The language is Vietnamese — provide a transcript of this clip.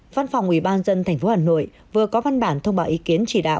văn phòng ủy ban dân thành phố hà nội vừa có văn bản thông báo ý kiến chỉ đạo